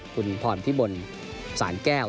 คุณพรพิบลศร้านแกร่ว